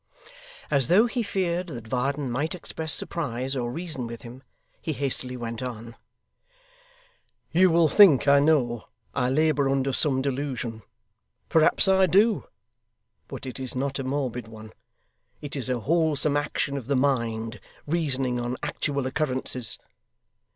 As though he feared that Varden might express surprise, or reason with him, he hastily went on: 'You will think, I know, I labour under some delusion. Perhaps I do. But it is not a morbid one; it is a wholesome action of the mind, reasoning on actual occurrences.